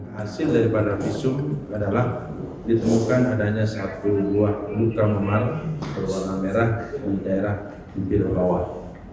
hasil daripada visum adalah ditemukan adanya satu buah luka memar berwarna merah di daerah bibir bawah